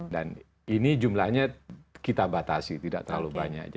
dan ini jumlahnya kita batasi tidak terlalu banyak